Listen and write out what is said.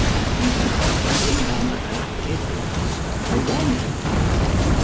We have Damon and Pythias on the one hand.